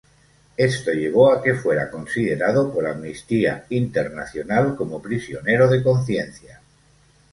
Esto llevó a que fuera considerado por Amnistía Internacional como prisionero de conciencia.